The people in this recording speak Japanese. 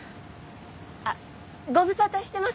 あご無沙汰してます。